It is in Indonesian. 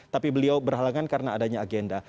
tapi beliau berhalangan karena adanya agenda